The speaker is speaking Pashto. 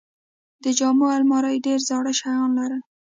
د جامو الماری ډېرې زاړه شیان لرل.